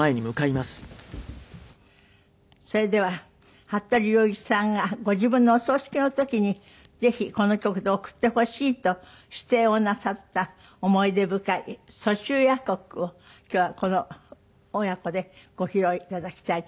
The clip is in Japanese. それでは服部良一さんがご自分のお葬式の時にぜひこの曲で送ってほしいと指定をなさった思い出深い『蘇州夜曲』を今日はこの親子でご披露いただきたいと思います。